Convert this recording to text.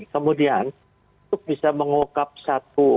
kemudian untuk bisa mengungkap satu